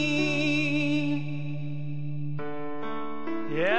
いや！